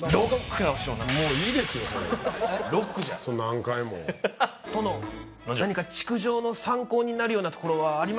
ロックじゃ何回も殿何か築城の参考になるところはありましたか？